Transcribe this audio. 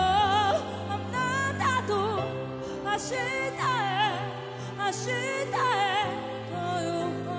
「あなたと明日へ明日へと行こう」